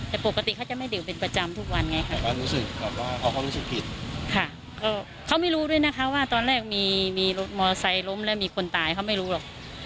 แต่ปกติเขาจะไม่ดื่มเป็นประจำทุกวันไงค่ะเขาไม่รู้ด้วยนะคะว่าตอนแรกมีมอเซย์ล้มแล้วมีคนตายเขาไม่รู้หรอก